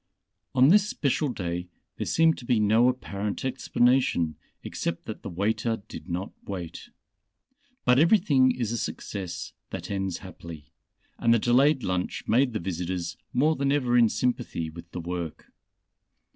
On this special day there seemed to be no apparent explanation except that the waiter did not wait. But everything is a success that ends happily, and the delayed lunch made the visitors more than ever in sympathy with the Work.